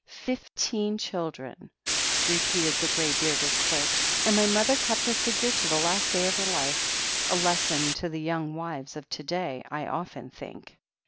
Fifteen children," repeated the grey bearded clerk, and my mother kept her figure to the last day of her life. A lesson to the young wives of to day, I often think."